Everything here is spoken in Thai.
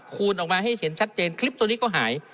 คูณออกมาให้เห็นชัดเจนคลิปตัวนี้ก็หาย